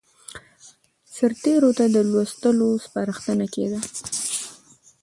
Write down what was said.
سرتېرو ته د لوستلو سپارښتنه کېده.